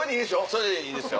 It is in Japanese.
それでいいですよ。